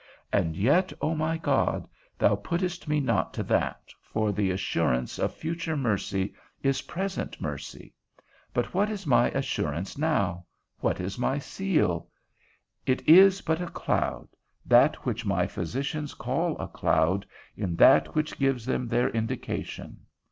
And yet, O my God, thou puttest me not to that, for the assurance of future mercy is present mercy. But what is my assurance now? what is my seal? It is but a cloud; that which my physicians call a cloud, in that which gives them their indication.